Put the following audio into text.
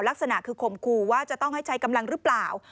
ลักษณะคือข่มขู่ว่าจะต้องให้ใช้กำลังหรือเปล่า